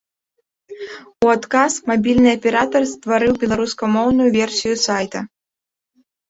У адказ мабільны аператар стварыў беларускамоўную версію сайта.